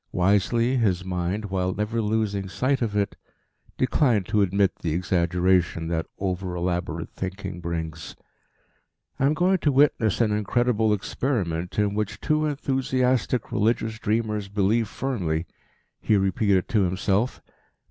Wisely, his mind, while never losing sight of it, declined to admit the exaggeration that over elaborate thinking brings. "I'm going to witness an incredible experiment in which two enthusiastic religious dreamers believe firmly," he repeated to himself.